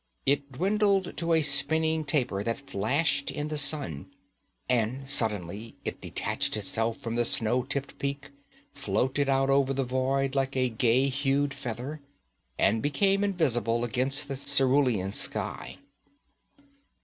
It dwindled to a spinning taper that flashed in the sun. And suddenly it detached itself from the snow tipped peak, floated out over the void like a gay hued feather, and became invisible against the cerulean sky.